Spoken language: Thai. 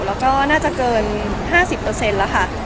แล้วก็น่าจะเกินห้าสิบเปอร์เซ็นต์แล้วค่ะ